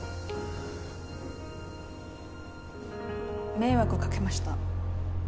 迷惑かけました。